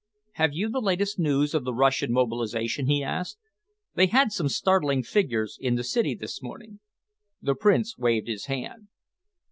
"Have you the latest news of the Russian mobilisation?" he asked. "They had some startling figures in the city this morning." The Prince waved his hand.